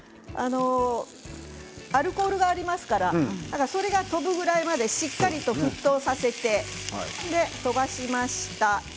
アルコールがありますからそれが飛ぶぐらいまでしっかりと沸騰させて飛ばしました。